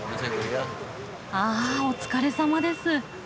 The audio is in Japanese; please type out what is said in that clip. あお疲れさまです。